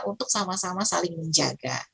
untuk sama sama saling menjaga